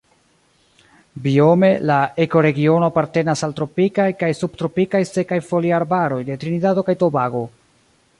Biome la ekoregiono apartenas al tropikaj kaj subtropikaj sekaj foliarbaroj de Trinidado kaj Tobago.